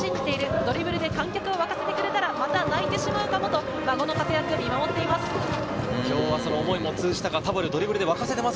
ドリブルで観客を沸かせてくれたら、また泣いてしまうかもと孫の活躍を見守っています。